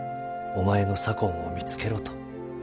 お前の左近を見つけろ」と。